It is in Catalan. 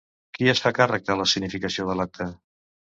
Qui es fa càrrec de l'escenificació de l'acte?